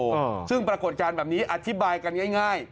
เพราะซึ่งปรากฏการณ์แบบนี้อธิบายกันง่าย